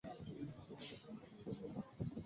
松日厄人口变化图示